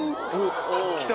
来た。